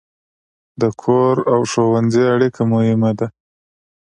د کور او ښوونځي اړیکه مهمه ده.